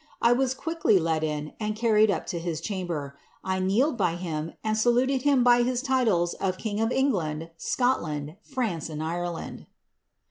I was quickly let in, and car ried up to his chamber. 1 kneeled by him, and saluted him by his titles of king of England, Scotland, France, and Ireland."